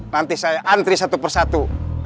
nanti saya antri satu persatu